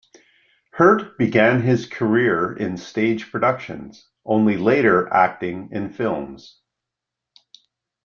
Hurt began his career in stage productions, only later acting in films.